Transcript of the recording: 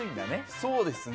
そうですね。